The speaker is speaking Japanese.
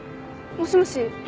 もしもし？